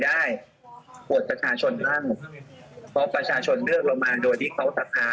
ได้อวดประชาชนบ้างเพราะประชาชนเลือกเรามาโดยที่เขาสักพา